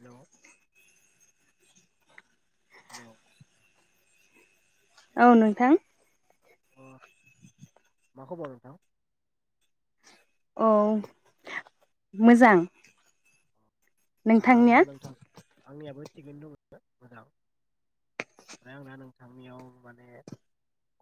हेल' हेल' औ नोंथां अ मा खबर नोंथां? औ मोजां जां नोंथांनिया आंना नोंथां आंनियाबो थिगैनो दं मोजां ओमफ्राय आं दा नोंथांनियाव माने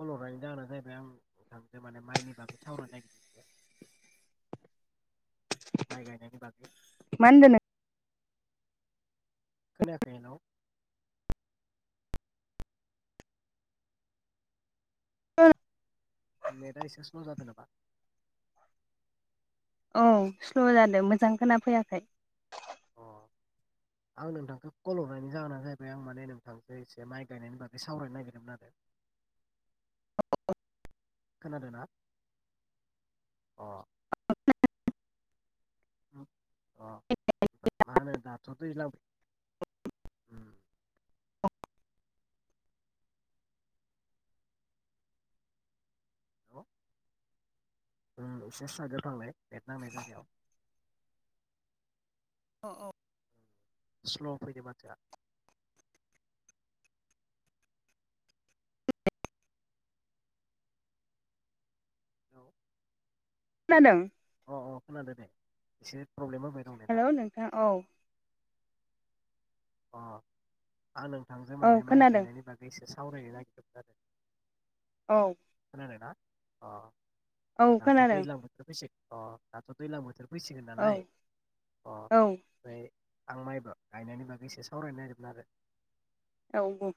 कल हरनायनि जाहोना जाहैबाय आं नोंथांजो माने माइनि बागै सावरायनो नागिरदो माइ गायनायनि बागै मा होनदो नों खोनायाखै हेलौ, [unintelligible] नेटआ एसे स्ल' जादो नामा औ स्ल' जादों मोजां खोना फैयाखै अ आं नोंथांखो कल हरनायनि जाहोना जाहैबाय आं माने नोंथांखो एसे माइ गायनायनि बागै सावरायनो नागिरदोंमोन आरो खोनादों ना अ [unintelligible] अ मा होनो दाथ' दैज्लां बो उम अ ओम एसे सायिदाव थांलाय नेट नांनाय जायगायाव अ औ स्ल' फैदो माथोआ हेलौ, खोनादों अ अ खोनादो दे इसोर हेलौ, नोंथां औ अ आं नोंथांजों औ माने माइ खोनादों गायनायनि बागै एसे सावरायनो आरो औ ना अ औ दाथ खोनादों दैलां बोथोर फैसि अ दाथ' दैलां बोथोर फैसिगोन औ नालाय अ औ ओमफाय आं माइबा गायनायनि बागै एसे सावरायनो नागिरदों आरो औ औ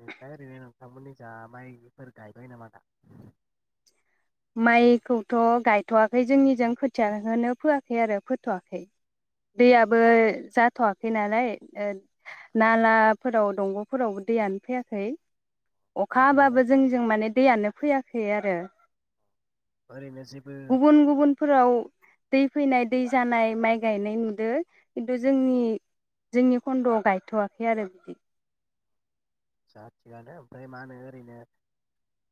बेनिफ्राय ओरैनो नोंथांमोननि जा मायफोर गायबाय नामा दा माइखौथ' गायथ' वाखै जोंनिजों खोथिया होनो फोआखै आरो फोथ आखै दैयाबो जाथ वाखै नालाय ओ-नालाफोराव दंग फोरावबो दैयानो फैयाखै मा अखा होनो हाबाबो जोंनिजों माने दैयानो फैयाखै आ [unintelligible] ओरैनो जेबो गुबुन गुबुनफोराव दै फैनाय दै जानाय माइ गायनाय नुदों खिन्थु जोंनि जोंनि खन्द आव गायथ वाखै आरो बिदि जा थिगानो ओमफाय मा होनो ओरैनो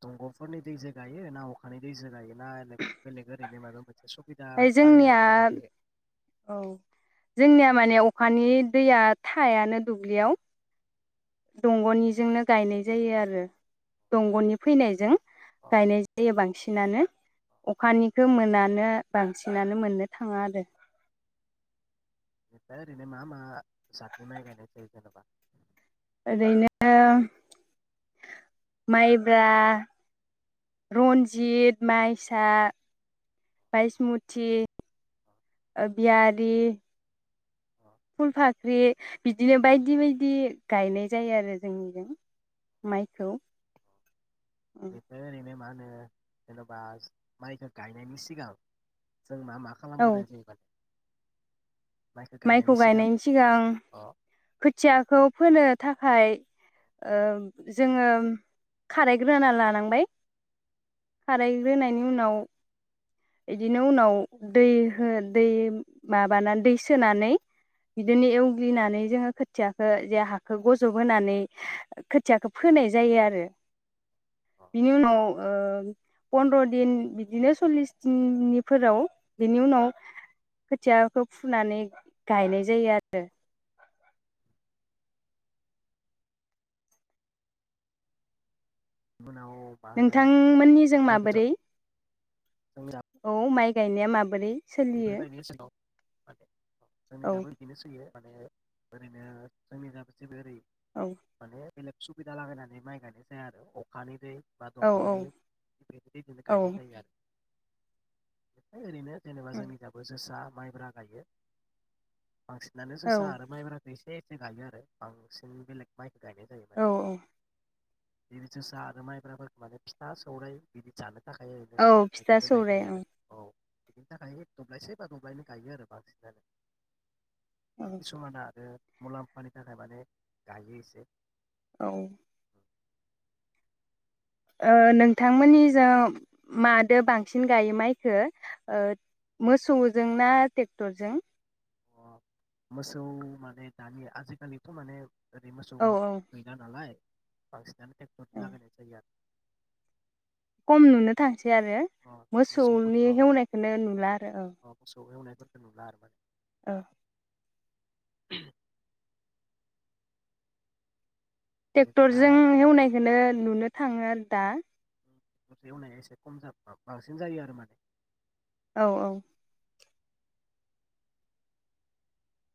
दंग फोरनि दैजो गायो ना अखानि दैजो गायो। मा होनो बेलेख आओरैनो माबा मोनसे सुबिदा ओमफ्राय बानायनानै जोंनिया गायनाय जायो औ जोंनिया माने अ अखानि दैया थायानो दुब्लियाव दंगनिजोंनो गायनाय जायो आरो दंगनि फैनायजों अ गायनाय जायो बांसिनानो अखानिखो मोनानो बांसिनानो मोननो थाङा आरो निफ्राय ओरैनो मा-मा जादनि माइ गायनाय जायो जेनेबा ओरैनो माइब्रा रन्जित माइसा बायसमुथि ओबियारि अ फुल फाख्रि बिदिनो बायदि-बायदि गायनाय जायो आरो जोंनिजों माइखौ बेनिफ्राय ओरैनो मा ओ जेनबा माइखौ गायनायनि सिगां जों मा-मा औ खालामग्रोनाय जायो माइखौ गायनायनि सिगां अ खोथियाखौ फोनो थाखाय ओ जोङो खारायग्रोना लानांबाय खारायग्रोनायनि उनाव बिदिनो उनाव दै हो दै माबाना दै सोनानै बिदिनो एवग्लिनानै जोङो खोथियाखो जे हाखो गजब होनोनानै खोथियाखो फोनाय जायो आरो अ बिनि उनाव ओ पन्द्र दिन बिदिनो सल्लिस दिननिफोराव बेनि उनाव खोथियाखो फुनानै गायनाय जायो आरो उनाव मा होनो नोंथांमोननि जों माइखौथ' माबोरै औ माइ गायनाया माबोरै सोलियो बेफोरबायदिनो सिङाव मे [unintelligible] जोंनि औ दाबो बिदिनो सोलियो माने ओरैनो जोंनि [unintelligible] ओरै औ माने बेलेग सुबिदा लागायनानै माइ गायनाय जाया आरो अखानि दै बा औ दंग'नि बेबादिनो औ गायनाय जायो आरो। ओरैनो जेनेबा जोंनि दाबो जोसा माइब्रा गायो बांसिनानो औ जोसा आरो माइब्रा एसे-एसे गायो आरो बांसिन बेलेग माइ गायनाय जायोमोन औ औ बिदि जोसा आरो माइब्राफोरखौ माने फिथा सौराय बिदि जानो थाखाय ओरैनो औ गायनो फिथा दोननाय सौराय जायो औ आरो औ बिनि थाखाय दब्लायसे बा दब्लायनै गायो आरो औ बांसिनानो। समाना आरो मुलाम्फानि थाखाय माने गायो एसे। औ। ओ नोंथांमोननिजों मादो बांसिन गायो माइखो ओ मोसौजों ना ट्रेक्टरजों? मोसौ माने दानि आजिखालिथ' माने ओरै औ मोसौबां गैला नालाय बांसिनानो टेक्ट्रर औ लागायनाय जायो आरो। खम नुनोथा थि आरो अ मोसौनि मोसौफोरखौ हेवनायखौनो नुला आरो औ। अ मोसौ एवनायफोरखौ नुला आरो। ओ। [inaudible] टेक्टरजों बेनिफ्राय हेवनायखोनो नुनो थाङो आरो दा। एवनाया एसे खम जाबा बांसिन जायो आरो माने। औ औ।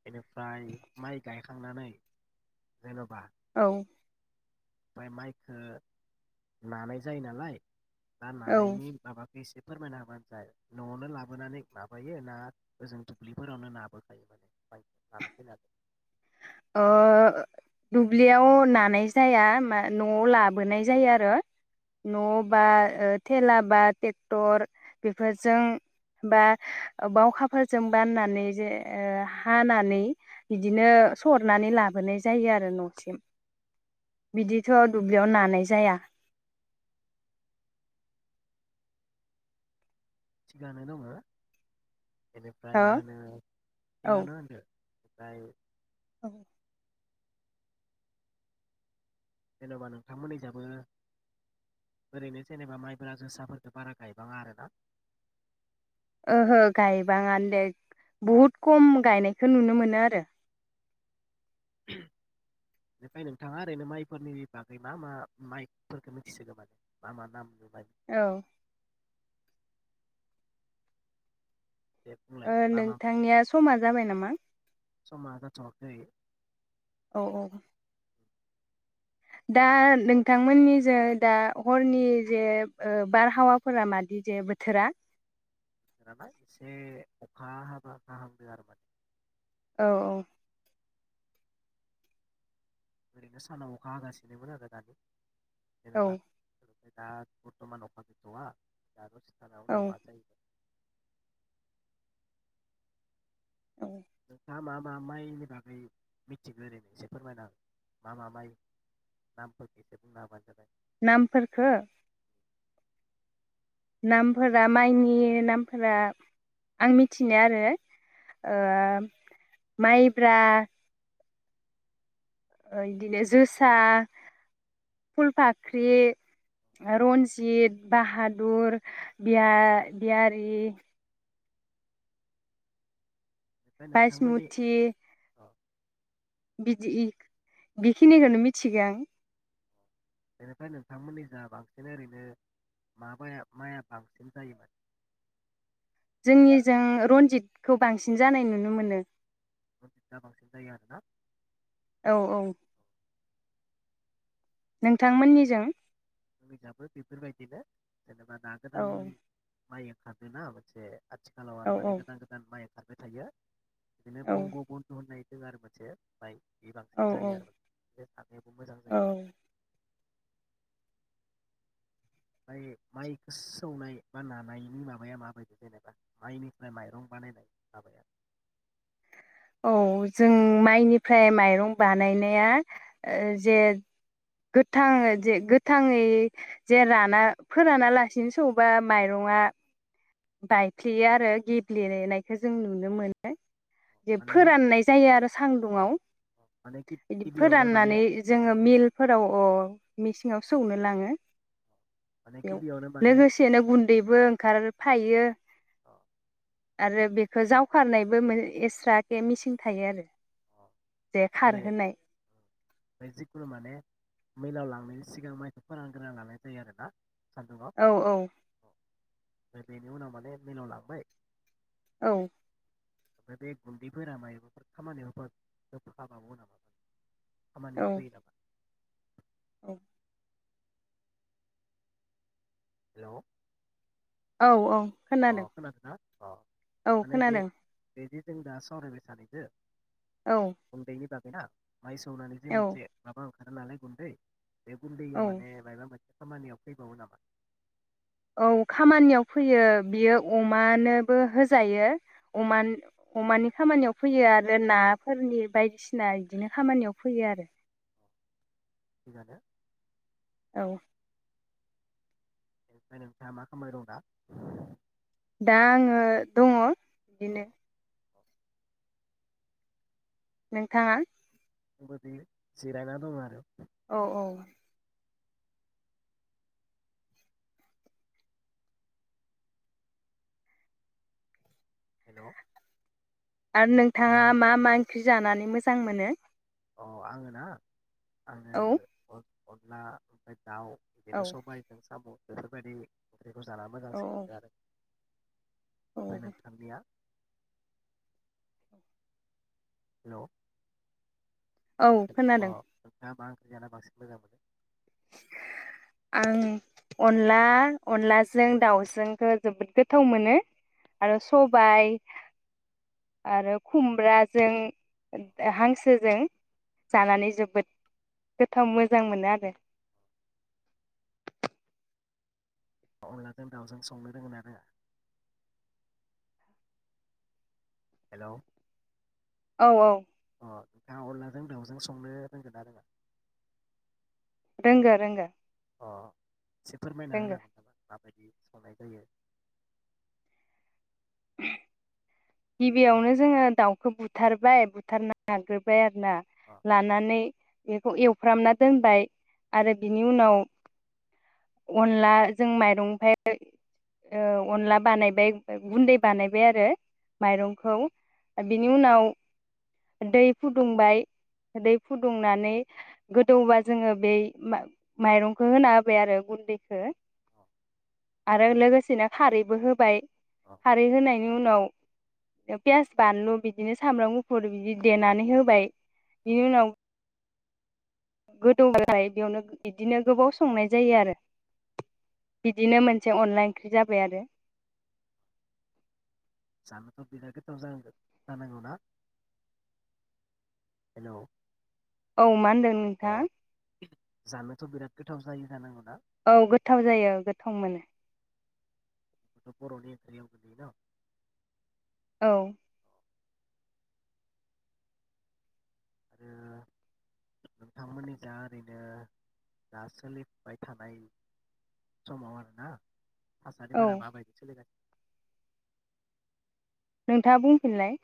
बेनिफ्राय माइ गायखां खांनानै जेन'बा औ। ओमफाय माइखो नानाय जायो नालाय दा औ नानायनि माबाखो एसे फोरमायना होबानो जाय न'आवनो लाबोनानै माबायो ना ओजों दुब्लिफोरावनो नाबोखायो [unintelligible] ओ दुब्लियाव नानाय जाया, मा न'आव लाबोनाय जायो आरो न' बा थेला बा टेक्टर बेफोरजों बा बावखाफोरजों बाननानै जे हानानै बिदिनो सरनानै लाबोनाय जायो आरो न'सिम, बिदिथ' दुब्लियाव नानाय जाया। थिगानो दङो। बेनिफ्राय हो मा होनो थिगानो होनदो। ओमफ्राय औ जेन'बा नोंथांमोननिजाबो ओरैनो जेनेबा माइब्रा, जोसाफोरफोरखौ बारा गायबाङा आरोना? ओहो गायबाङानो दे, बहुद खम गायनायखौ नुनो मोनो आरो। बेनिफाय नोंथाङा ओरैनो माइफोरनि बागै मा मा माइफोरखौ मिथिसोगौ माने मा मा नाम? औ। दे बुंलाय ओ मा मा नोंथांनिया समा जाबाय नामा? समा जाथ'वाखै। औ औ। बोथोराना दा नोंथांमोननिजों दा हरनि जे बारहावाफोरा मादि जे बोथोरा? माबा एसे अखा हाबा हाहांदों आरो माने। औ औ। ओरैनो सानाव अखा हागासिनोमोन आरो दानि। औ जेनबा दा बरथमान अखाा गैथया दा दसेनि उनाव सानाव औ हाबा मा जायो? औ दा मा मा माइनि बागै मिथिगौ ओरैनो एसे फोरमायना, मा मा माइ नामफोरखौ एसे बुंनो हाबानो जाबाय। नामफोरखौ? नामफोरा माइनि नामफोरा आं मिथिनो आरो ओ माइब्रा बिदिनो जोसा, फुलफाख्रि, रन्जित, बाहादुर, बिया बियारि बेनिफ्राय बायिस नोंथांमोननि मुथि अ बिदि इ बेखिनिखौनो मिथिगो आं। बेनिफ्राय नोंथांमोननि जा बांसिन ओरैनो माबाया माइआ बांसिन जायोमोन? जोंनिजों रन्जितखौ बांसिन जानाय नुनो मोनो। रन्जितदा बांसिन जायो आरो ना। औ औ। नोंथांमोननिजों? जोंखोय जायबो बेफोरबायदिनो। जेनेबा दा औ गोदान माइया खादोंना मोनसे आथिखालाव औ आरो माने गोदान गोदान माइ खारबाय थायो। बिदिनो औ बंग बन्धु होननाय जों आरो मोनसे बाइक बे औ बांसिन जायो आरो बे थानाया बो मोजां औ जायो। ओमफ्राय माइखो सौनाय बा नानायनि माबाया माबायदि जेनेबा माइनिफ्राय माइरं बानायनाय माबाया औ जों माइनिफ्राय माइरं बानायनाया ओ जे गोथां ओ‌ जे गोथाङै जे राना फोरानालासिनो सौबा माइरङा बायफ्लेयो आरो गेब्लेनेनायखो जों नुनो मोनो। जे माने फोराननाय जायो आरो सान्दुङाव माने बिदि गिबियावनो माने फोराननानै जोङो मिलफोराव अ मेसिनाव सौनो लाङो। माने बेयाव गिबियावनो माने लोगोसेनो गुन्दैबो ओंखारो फायो। अ। आरो बेखौ जावखारनायबो मोन एक्सट्रा के मिसिं थायो आरो। अ जे खारहोनाय माने जिकुनु माने मिलाव लांनायनि सिगां माइखौ फोरान गोरना लानाय जायो आरो ना। औ औ। ओमफ्राय बेनि उनाव माने मिलाव लांबाय औ। ओमफ्राय बे गुन्दैफोरा मायबाफोर खामानियाव हाबावो नामा? औ खामानियाव फैयो‌ नामा औ हेलौ औ औ अ खोनादों खोनादोना अ‌ औ माने बे खोनादों बेदि जों दा सावरायबाय सानैजों औ गुन्दै नि बा बेना माइ सौनानै जि औ मोनसे माबा ओंखारो नालाय गुन्दै बे औ गुन्दैया माने मायबा मोनसे खामानियाव फैबावो नामा औ खामानियाव फैयो बियो अमानोबो होजायो अ अमान अमानि खामानियाव फैयो आरो नाफोरनि बायदिसिना इदिनो खामानियाव फैयो आरो [unintelligible] औ ओमफाय नोंथाङा मा खामबाय दं दा दा आङो दङ अ बिदिनो [inaudible] नोंथाङा आंबो बि जिरायना दं आरो औ औ हेल' आरो नोंथाङा मा मा ओंख्रि जानानै मोजां मोनो? अ आङो ना आङो औ अनला ओमफाय दाउ औ बिदिनो सबायाइजों साम' बेफोरबायदि ओंख्रिखौ जाना औ मोजांसिन मोनो आरो औ ओमफाय नोंथांनिया? हेल' अ औ खोनादों नोंथाङा मा जाना बांसिन मोजां मोनो? आं अनला, अनलाजों दाउजोंखो जोबोद गोथाव मोनो आरो सबाय आरो खुमब्राजों [unintelligible] हांसोजों जानानै जोबोद गोथाव मोजां मोनो आरो अनलाजों दाउजों संनो रोङोनो ना रोङा हेलौ औ औ अ नोंथाङा अनलाजों दाउजों संनो रोंगोना रोङा? रोंगो रोंगो। अ एसे फोरमायना रोंगो होनो हागोन नामा माबायदि? संनाय जायो। [inaudible] हेलौ गिबियावनो जोङो दाउखौ बु बुथारबाय बुथारना लाग्रोबाय। ना अ लानानै बेखौ एवफ्रामना दोनबाय आरो बिनि उनाव अनलाजों माइरंनिफ्राय अनला ओ बानायबाय ओमफाय गुन्दै बानायबाय आरो माइरंखौ बिनि उनाव दै फुदुंबाय दै फुदुंनानै गोदौबा जोङो बे माइ माइरंखौ होना होबाय आरो गुन्दैखो। अ आरो लोगोसेनो खारैबो होबाय। अ खारै होनायनि उनाव पियास बानलु बिदिनो सामब्राम गुफुर बिदि देनानै होबाय, बिनि उनाव गोदौबालाय बेयावनो बिदिनो गोबाव संनाय जायो आरो बिदिनो मोनसे अनला ओंख्रि जाबाय आरो जानोथ' बिराद गोथाव जानांगो जानांगौ ना हेलौ औ मा होनदों अ नोंथाङा? जानोथ' बिराद गोथाव जायो जानांगौ। औ गोथाव जायो गोथाव मोनो। बर'नि ओंख्रिया मोननैन? औ आरो नोंथांमोननि जा ओरैनो जा सोलिबाय थानाय समाव आरोना औ थासारिफोरा मा बायदि सोलिगासिनो? नोंथाङा बुंफिनलाय।